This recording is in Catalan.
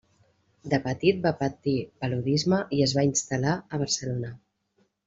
De petit va patir paludisme i es va instal·lar a Barcelona.